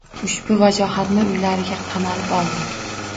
Ushbu vajohatni uylariga qamalib oldi.